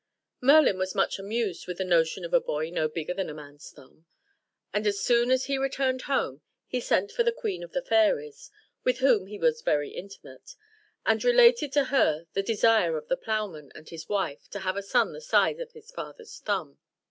Merlin was much amused with the notion of a boy no bigger than a man's thumb; and as soon as he returned home, he sent for the queen of the fairies (with whom he was very intimate), and related to her the desire of the ploughman and his wife to have a son the size of his father's thumb.